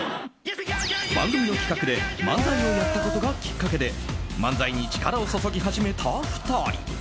番組の企画で漫才をやったことがきっかけで漫才に力を注ぎ始めた２人。